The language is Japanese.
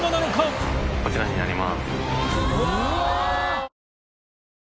こちらになります。